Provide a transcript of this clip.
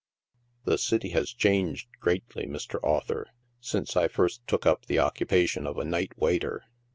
The city has changed greatly, Mr. Author, since I first took up the occupation of a night waiter.